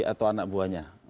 atau anak buahnya